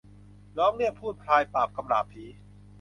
ร้องเรียกภูตพรายปราบกำราบผี